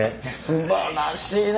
すばらしいね。